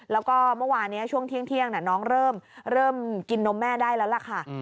แล้วก็เมื่อวานนี้ช่วงเที่ยงน้องเริ่มกินนมแม่ได้แล้วล่ะค่ะ